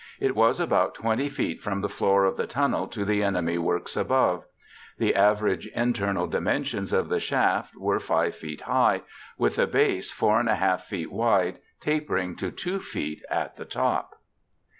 It was about 20 feet from the floor of the tunnel to the enemy works above. The average internal dimensions of the shaft were 5 feet high, with a base 4½ feet wide tapering to 2 feet at the top.